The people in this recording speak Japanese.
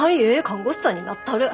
看護師さんになったる。